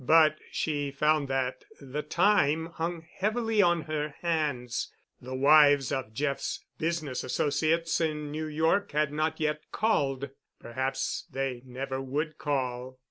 But she found that the time hung heavily on her hands. The wives of Jeff's business associates in New York had not yet called. Perhaps they never would call.